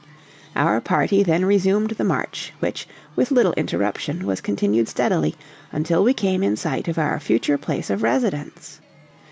Our party then resumed the march, which, with little interruption, was continued steadily, until we came in sight of our future place of residence.